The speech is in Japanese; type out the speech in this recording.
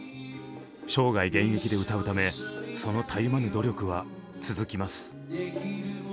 生涯現役で歌うためそのたゆまぬ努力は続きます。